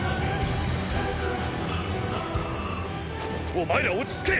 お前ら落ち着け！！